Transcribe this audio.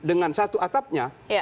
dengan satu atapnya